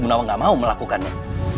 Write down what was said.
bu nawang gak mau melakukannya